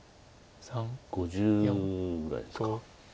５０ぐらいですか。